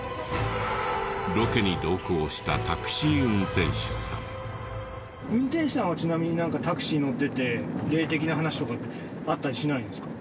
ロケに運転手さんはちなみにタクシー乗ってて霊的な話とかあったりしないんですか？